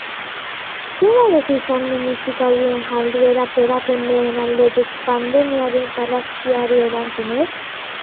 Zer babes izan du musikarien jarduerak erakundeen aldetik, pandemiaren sarraskiari erantzunez?